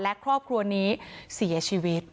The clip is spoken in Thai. และครอบครัวนี้เสียชีวิต